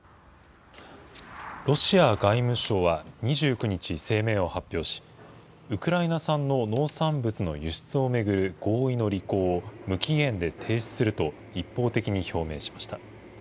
ロシア外務省は２９日声明を発表し、ウクライナ産の農産物の輸出を巡る合意の履行を無期限で停止すると一方的に表明しました。